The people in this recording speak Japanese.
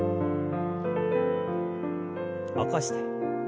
起こして。